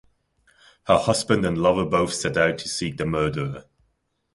Her husband and lover both set out to seek the murderer.